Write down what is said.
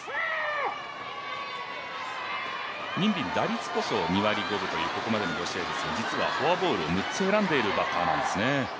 任敏、打率こそ２割５分というここまでの５試合ですが実はフォアボール６つ選んでいるバッターなんですね。